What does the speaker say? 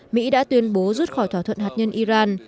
mỹ đã tuyên bố rút khỏi thỏa thuận hạt nhân iran